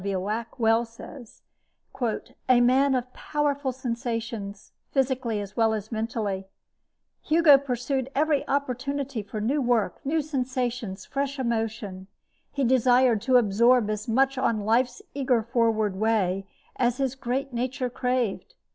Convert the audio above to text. W. Wack well says, "a man of powerful sensations, physically as well as mentally. Hugo pursued every opportunity for new work, new sensations, fresh emotion. He desired to absorb as much on life's eager forward way as his great nature craved.